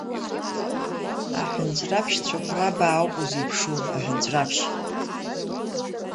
Аҳәынҵәраԥшь цәыхәрабаа ауп узеиԥшу, аҳәынҵәраԥшь!